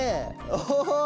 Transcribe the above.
お！